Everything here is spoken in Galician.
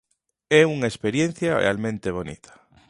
É unha experiencia realmente bonita.